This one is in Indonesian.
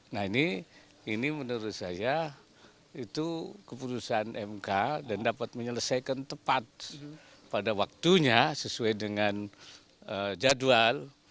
nah ini menurut saya itu keputusan mk dan dapat menyelesaikan tepat pada waktunya sesuai dengan jadwal